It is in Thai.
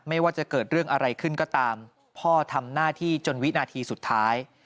ไม่ว่าจะเกิดเรื่องอะไรขึ้นก็ตามพ่อทำหน้าที่จนวินาทีสุดท้าย